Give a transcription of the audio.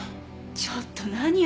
ちょっと何よ？